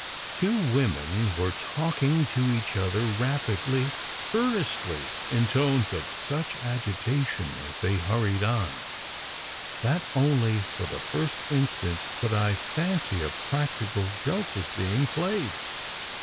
Two women were talking to each other, rapidly, earnestly, in tones of such agitation as they hurried on, that only for the first instant could I fancy a practical joke was being played.